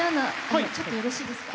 あのちょっとよろしいですか？